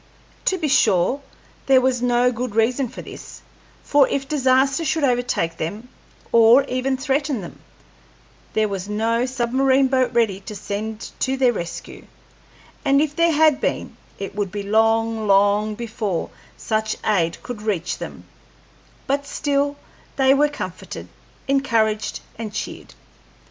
To be sure, there was no good reason for this, for if disaster should overtake them, or even threaten them, there was no submarine boat ready to send to their rescue; and if there had been, it would be long, long before such aid could reach them; but still, they were comforted, encouraged, and cheered.